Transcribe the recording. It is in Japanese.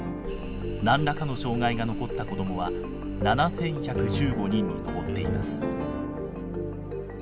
何らかの障害が残った子どもは７，１１５人に上っています。